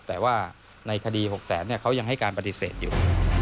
แต่ว่าในคดี๖แสนเขายังให้การปฏิเสธอยู่